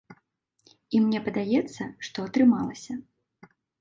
І мне падаецца, што атрымалася.